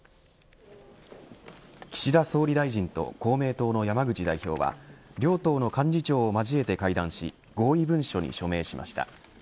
岸田総理大臣と公明党の山口代表は両党の幹事長を交えて会談し合意文書に署名しました。